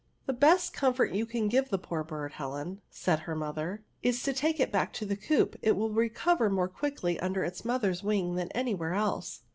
The best comfort you can give the poor bird, Helen," said her mother, " is to take it back to the coop ; it will recover more quickly under its mother's wing than anywhere else."